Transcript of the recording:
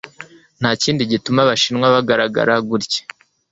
Ntakindi gituma abashinwa bagaragara gutya,